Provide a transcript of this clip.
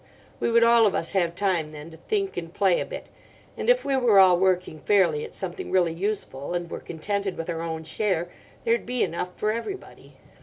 We would all of us have time then to think and play a bit, and if we were all working fairly at something really useful and were contented with our own share, there'd be enough for everybody.